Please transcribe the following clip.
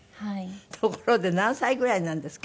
ところで何歳ぐらいなんですか